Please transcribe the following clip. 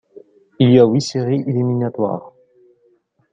Il y a huit séries éliminatoires.